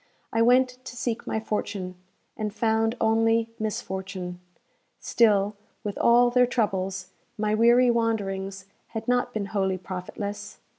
I went to seek my fortune, and found only misfortune. Still, with all their troubles, my weary wanderings had not been wholly profitless.